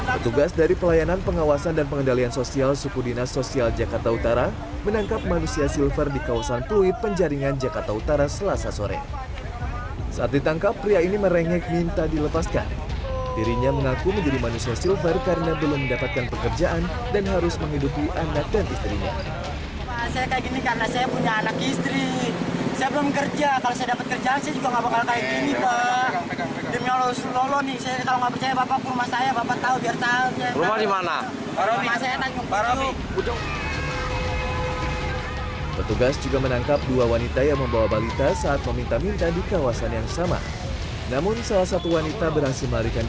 lalu dibawa petugas ke pantai sosial jakarta utara untuk dilakukan pemindahan